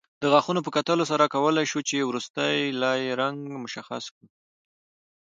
د غاښونو په کتلو سره کولای شو چې وروستۍ لایې رنګ مشخص کړو